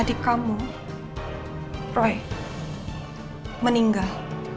adik kamu roy meninggal